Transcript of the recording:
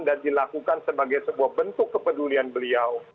dan dilakukan sebagai sebuah bentuk kepedulian beliau